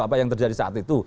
apa yang terjadi saat itu